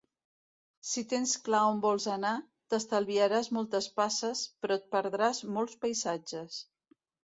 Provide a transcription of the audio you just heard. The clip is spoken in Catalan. Si tens clar on vols anar, t'estalviaràs moltes passes, però et perdràs molts paisatges.